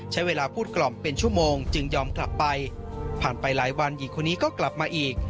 ใช้เวลาพูดกล่อมเป็นชั่วโมงจึงยอมกลับไปผ่านไปหลายวันหญิงคนนี้ก็กลับมาอีก